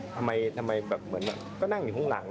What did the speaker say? ทำไมแบบก็นั่งอยู่ข้างหลัง